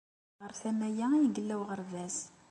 Ɣer tama-ya i yella uɣerbaz.